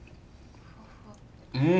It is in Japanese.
うん。